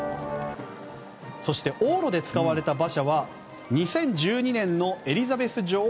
そして往路で使われた馬車は２０１２年のエリザベス女王